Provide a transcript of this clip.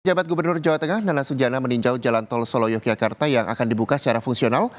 jabat gubernur jawa tengah nana sujana meninjau jalan tol solo yogyakarta yang akan dibuka secara fungsional